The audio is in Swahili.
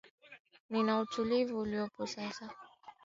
ni na utulivu uliopo sasa